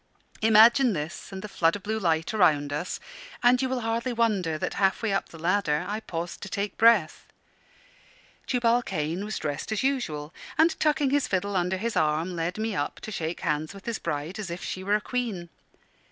Imagine this and the flood of blue light around us, and you will hardly wonder that, half way up the ladder, I paused to take breath. Tubal Cain was dressed as usual, and tucking his fiddle under his arm, led me up to shake hands with his bride as if she were a queen.